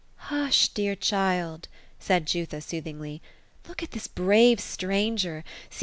^' Hush, dear child !" said Jutha, soothingly ;*^ Look at this hrave stranger.